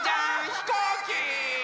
ひこうき！